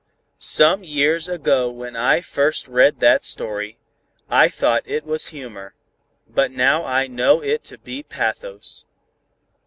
"Some years ago when I first read that story, I thought it was humor, now I know it to be pathos.